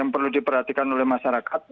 perlu diperhatikan oleh masyarakat